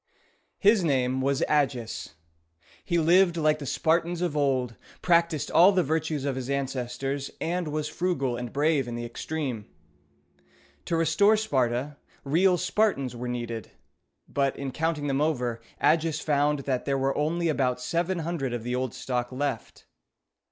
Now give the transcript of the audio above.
His name was A´gis. He lived like the Spartans of old, practiced all the virtues of his ancestors, and was frugal and brave in the extreme. To restore Sparta, real Spartans were needed, but, in counting them over, Agis found that there were only about seven hundred of the old stock left.